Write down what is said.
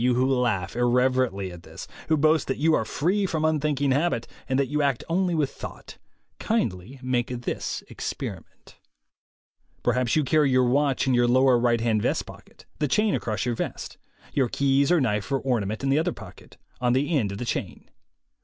You who laugh irreverently at this, who boast that you are free from unthinking habit, and that you act only with thought, kindly make this experi ment. Perhaps you carry your watch in your lower right hand vest pocket, the chain across your vest, your keys or knife or ornament in the other pocket on the end of the chain.